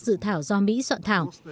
dự thảo do mỹ soạn thảo